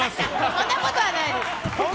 そんなことないです。